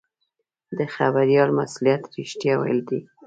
د خبریال مسوولیت رښتیا ویل دي.